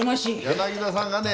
柳田さんがね